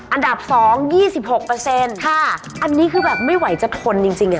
อันดับ๒๒๖อันนี้คือแบบไม่ไหวจะทนจริง